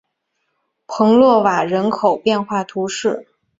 蓬勒瓦人口变化图示